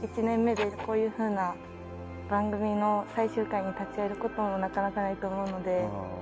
１年目でこういうふうな番組の最終回に立ち会えることもなかなかないと思うので。